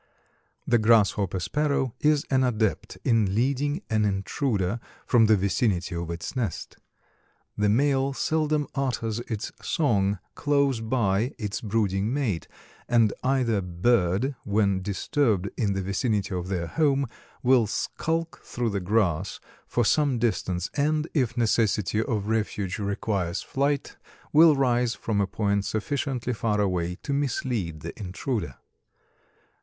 The Grasshopper Sparrow is an adept in leading an intruder from the vicinity of its nest. The male seldom utters its song close by its brooding mate, and either bird when disturbed in the vicinity of their home will skulk through the grass for some distance and, if necessity of refuge requires flight, will rise from a point sufficiently far away to mislead the intruder.